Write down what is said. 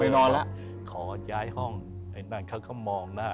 นอนแล้วขอย้ายห้องไอ้นั่นเขาก็มองหน้า